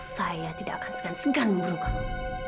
saya tidak akan segan segan membunuh kamu